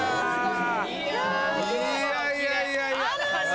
いやいやいやいや